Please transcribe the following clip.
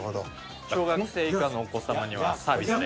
小学生以下のお子様にはサービスで。